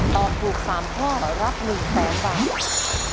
ตอบถูก๓ข้อรับ๑๐๐๐บาท